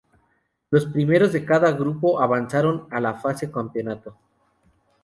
Los primeros de cada grupo, avanzaron a la fase campeonato.